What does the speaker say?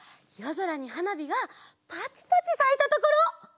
ぞらにはなびがパチパチさいたところ！